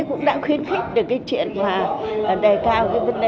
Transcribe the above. cũng đã khuyến khích được cái chuyện mà đề cao cái vấn đề